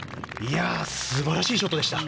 素晴らしいショットでした。